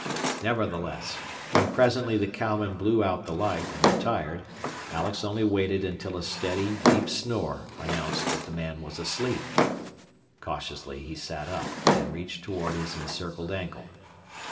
Nevertheless, when presently the cowman blew out the light, and retired, Alex only waited until a steady, deep snore announced that the man was asleep. Cautiously he sat up, and reached toward his encircled ankle.